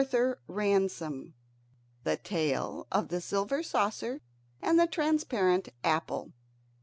Then he began. THE TALE OF THE SILVER SAUCER AND THE TRANSPARENT APPLE.